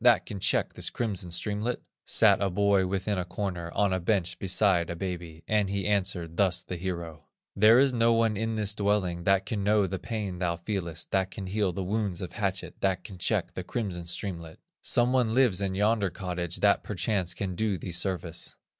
That can check this crimson streamlet?" Sat a boy within a corner, On a bench beside a baby, And he answered thus the hero: "There is no one in this dwelling That can know the pain thou feelest, That can heal the wounds of hatchet, That can check the crimson streamlet; Some one lives in yonder cottage, That perchance can do thee service."